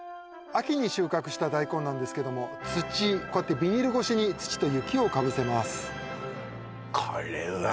秋に収穫した大根なんですけどもこうやってビニール越しに土と雪をかぶせます